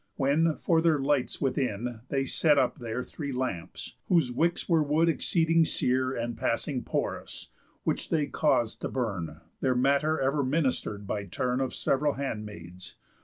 When, for their lights within, they set up there Three lamps, whose wicks were wood exceeding sere, And passing porous; which they caus'd to burn, Their matter ever minister'd by turn Of sev'ral handmaids.